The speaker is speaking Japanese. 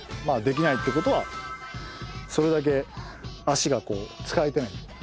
まあできないってことはそれだけ足が使えてない。